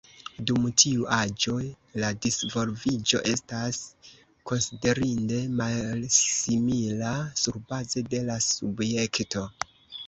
Dum tiu aĝo la disvolviĝo estas konsiderinde malsimila surbaze de la subjekto.